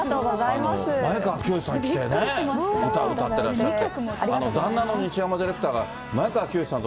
前川清さん来てね、歌歌ってらっしゃって。